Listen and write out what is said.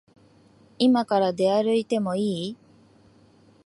いまから出歩いてもいい？